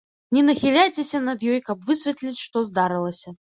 Не нахіляйцеся над ёй, каб высветліць, што здарылася.